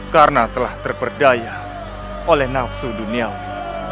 karena telah terperdaya oleh nafsu duniawi